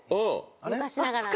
昔ながらのね。